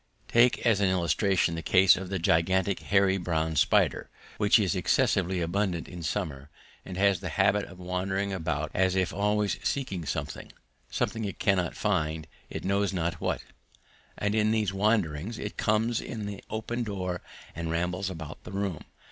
Take as an illustration the case of the gigantic hairy brown spider, which is excessively abundant in summer and has the habit of wandering about as if always seeking something "something it cannot find, it knows not what"; and in these wanderings it comes in at the open door and rambles about the room.